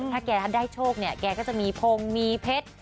ถ้าแกได้โชคเนี่ยแกก็จะมีพงมีเพชร